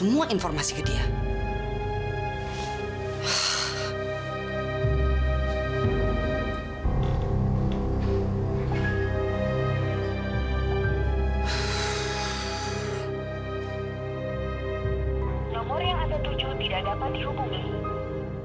kehidupan di jakarta tuh keras